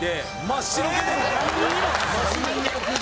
「真っ白！」